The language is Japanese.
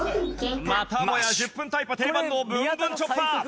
またもや１０分タイパ定番のぶんぶんチョッパー！